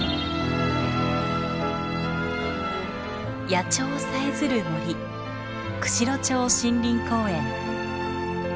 野鳥さえずる森釧路町森林公園。